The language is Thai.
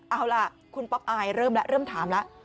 เอาล่ะคุณป๊อปอายเริ่มแล้วเริ่มถามแล้ว